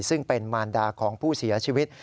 ซึ่งเป็นมารดาของผู้เสียชีวิต